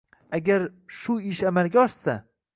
Agar shu ish amalga oshsa